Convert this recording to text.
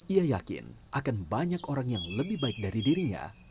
ia yakin akan banyak orang yang lebih baik dari dirinya